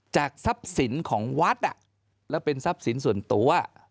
จากทรัพย์ศิลป์ของวัดแล้วเป็นทรัพย์ศิลป์ส่วนตัว